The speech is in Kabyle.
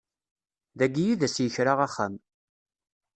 Dagi i d as-yekra axxam.